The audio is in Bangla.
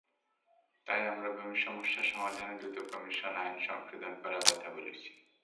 তাই আমরা ভূমি সমস্যা সমাধানে দ্রুত কমিশন আইন সংশোধন করার কথা বলেছি।